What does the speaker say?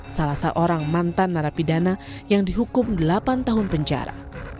salah seorang mantan narapidana yang dihukum delapan tahun penjara